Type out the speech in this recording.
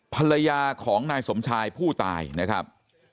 ภรรยาของนายสมชายผู้ตายนะครับ